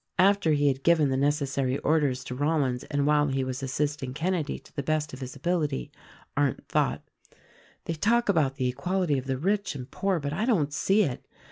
After he had given the necessary orders to Rollins and while he was assisting Kenedy to the best of his ability, Arndt thought, "They talk about the equality of the rich and poor; but I don't see it.